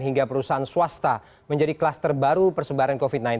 hingga perusahaan swasta menjadi kluster baru persebaran covid sembilan belas